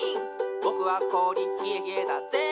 ぼくはこおりひえひえだっぜ」